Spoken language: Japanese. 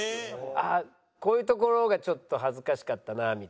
あっこういうところがちょっと恥ずかしかったなみたいな。